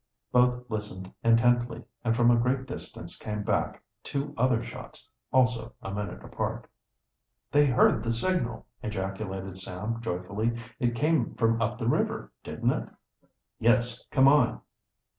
Both listened intently, and from a great distance came back two other shots, also a minute apart. "They heard the signal!" ejaculated Sam joyfully. "It came from up the river, didn't it?" "Yes; come on!"